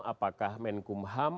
apakah menko polukam